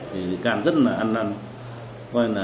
thì bị can rất là ăn năn